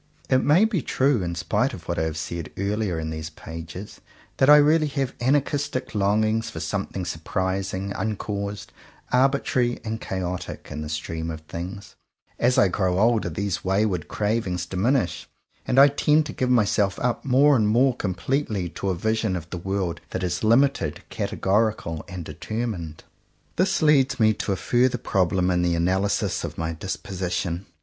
123 CONFESSIONS OF TWO BROTHERS It may be true in spite of what I have said earlier in these pages, that I really have anarchistic longings for something surpris ing, uncaused, arbitrary and chaotic, in the stream of things: as I grow older, these wayward cravings diminish, and I tend to give myself up more and more completely to a vision of the world that is limited, categorical, and determined. This leads me to a further problem in the analysis of my disposition.